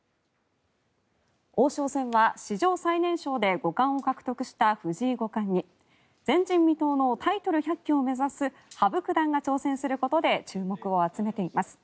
王将戦は史上最年少で五冠を獲得した藤井五冠に、前人未到のタイトル１００期を目指す羽生九段が挑戦することで注目を集めています。